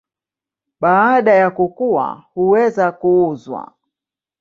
Baada ya kukua huweza kuuzwa.